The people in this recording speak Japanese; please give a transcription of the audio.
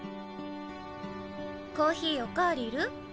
コーヒーおかわりいる？